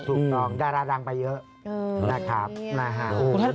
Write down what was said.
ถูกต้องดาราดังไปเยอะน่าขาดน่าหาด